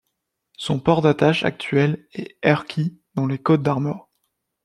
Son port d'attache actuel est Erquy dans les Côtes-d'Armor.